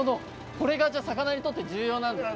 これが魚にとって重要なんですね。